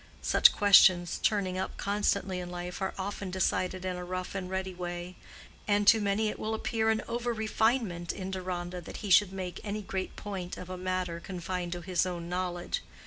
Such questions turning up constantly in life are often decided in a rough and ready way; and to many it will appear an over refinement in Deronda that he should make any great point of a matter confined to his own knowledge.